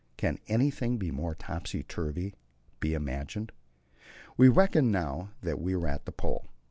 Can anything more topsy turvy be imagined? We reckoned now that we were at the Pole.